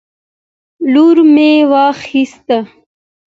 لور مې واخیست